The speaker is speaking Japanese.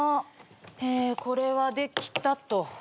これはできたと。